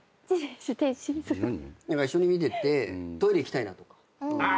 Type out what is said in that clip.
一緒に見ててトイレ行きたいなとか。